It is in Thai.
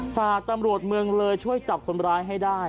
ฝากตำรวจเมืองเลยช่วยจับคนร้ายให้ได้